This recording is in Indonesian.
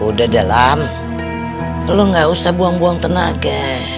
udah dalam lo gak usah buang buang tenaga